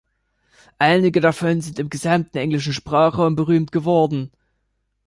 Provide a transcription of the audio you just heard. Einige davon sind im gesamten englischen Sprachraum berühmt geworden.